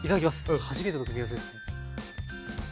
初めての組み合わせです。